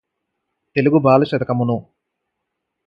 తెలుగుబాల శతకమును